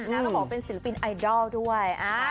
แล้วก็เป็นศิลปินไอดอลด้วย